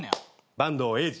板東英二。